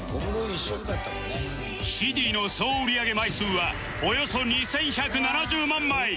ＣＤ の総売り上げ枚数はおよそ２１７０万枚！